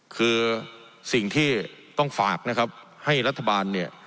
คือสิ่งที่ต้องฝากนะครับให้รัฐบาลเนี่ย